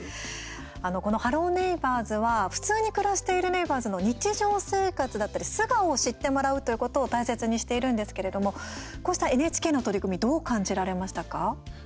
この「ハロー！ネイバーズ」は普通に暮らしているネイバーズの日常生活だったり素顔を知ってもらうということを大切にしているんですけれどもこうしたＮＨＫの取り組みどう感じられましたか？